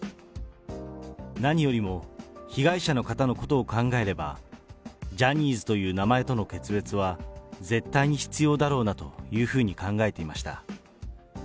何よりも被害者の方のことを考えれば、ジャニーズという名前との決別は絶対に必要だろうなというふうに考えていました。